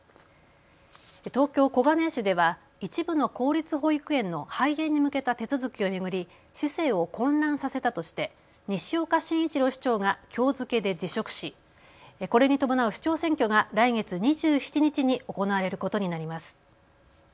東京小金井市では一部の公立保育園の廃園に向けた手続きを巡り、市政を混乱させたとして西岡真一郎市長がきょう付けで辞職しこれに伴う市長選挙が来月２７日に行われることになります。